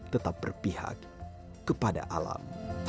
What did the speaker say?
tetap berpihak kepada alam